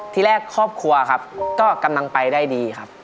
ที่แรกครอบครัวครับก็กำลังไปได้ดีครับ